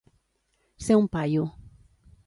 Ser un paio.